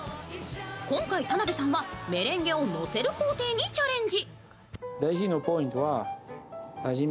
今回、田辺さんはメレンゲをのせる工程にチャレンジ。